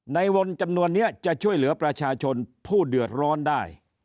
ในวนจำนวนนี้จะช่วยเหลือประชาชนผู้เดือดร้อนได้